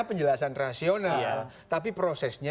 penjelasan rasional tapi prosesnya